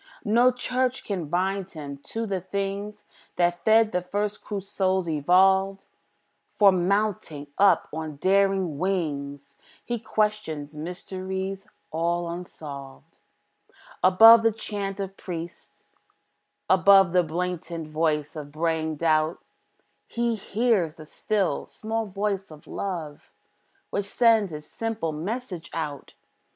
No church can bind him to the things That fed the first crude souls, evolved; For, mounting up on daring wings, He questions mysteries all unsolved. Above the chant of priests, above The blatant voice of braying doubt, He hears the still, small voice of Love, Which sends its simple message out.